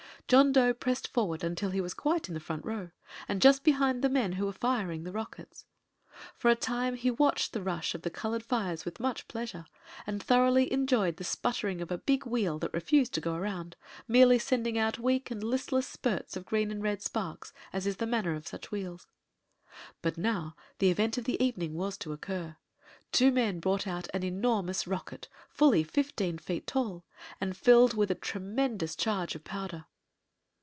John Dough pressed forward until he was quite in the front row, and just behind the men who were firing the rockets. For a time he watched the rush of the colored fires with much pleasure, and thoroughly enjoyed the sputtering of a big wheel that refused to go around, merely sending out weak and listless spurts of green and red sparks, as is the manner of such wheels. But now the event of the evening was to occur. Two men brought out an enormous rocket, fully fifteen feet tall and filled with a tremendous charge of powder.